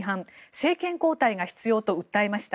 政権交代が必要と訴えました。